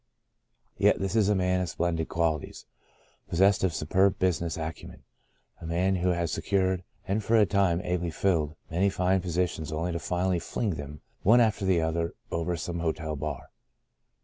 Yet this is a man of splendid qualities, possessed of superb business acumen — a man who has secured, and for a time ably filled, many fine positions only to finally fling them one after the other over some hotel bar.